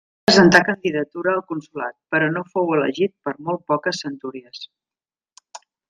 Va presentar candidatura al consolat, però no fou elegit per molt poques centúries.